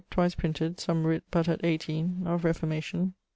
Twice printed. Some writt but at 18. Of Reformation.